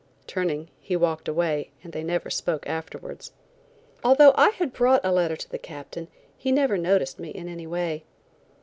Turning, he walked away, and they never spoke afterwards. Although I had brought a letter to the Captain, he never noticed me in any way.